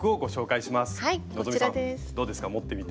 どうですか持ってみて？